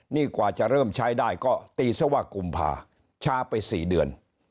นี่กว่าจะเริ่มใช้ได้ก็ตีซะว่ากุมภาช้าไป๔เดือน